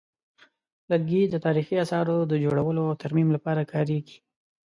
لرګي د تاریخي اثارو د جوړولو او ترمیم لپاره کارېږي.